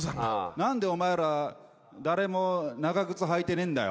何でお前ら誰も長靴履いてねえんだよ。